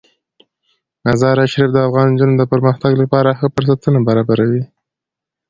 مزارشریف د افغان نجونو د پرمختګ لپاره ښه فرصتونه برابروي.